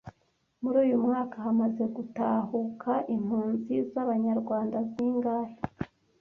Muri uyu mwaka hamaze gutahuka impunzi z abanyarwanda zingahe